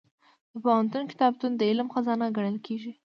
د پوهنتون کتابتون د علم خزانه ګڼل کېږي.